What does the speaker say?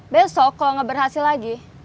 besok kalo gak berhasil lagi